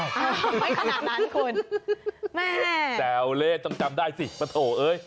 ไงขนาดนั้นคุณแทวเล๊ะต้องจำได้สิฟาโถ่เอ้ย